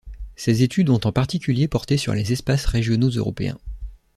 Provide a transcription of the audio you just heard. Ses études ont en particulier porté sur les espaces régionaux européens.